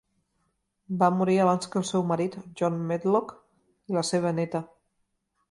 Va morir abans que el seu marit, John Medlock, i la seva neta.